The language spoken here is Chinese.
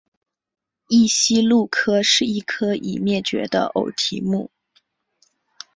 异鼷鹿科是一科已灭绝的偶蹄目。